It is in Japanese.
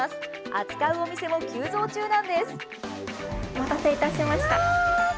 扱うお店も急増中なんです。